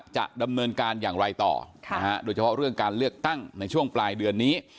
จะดำเนินการอย่างไรต่อโดยเฉพาะเรื่องการเลือกตั้งในช่วงปลายเดือนนี้